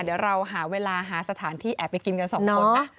เดี๋ยวเราหาเวลาหาสถานที่แอบไปกินกันสองคนนะ